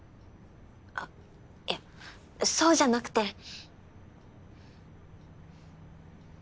あっいやそうじゃなくて。